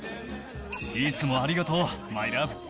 いつもありがとう、マイラブ。